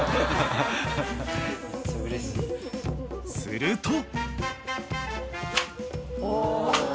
［すると］